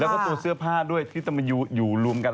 แล้วก็ตัวเสื้อผ้าด้วยที่จะมาอยู่รวมกัน